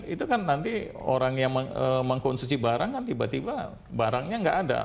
itu kan nanti orang yang mengkonsumsi barang kan tiba tiba barangnya nggak ada